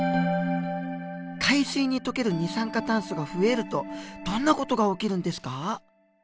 海水に溶ける二酸化炭素が増えるとどんな事が起きるんですか？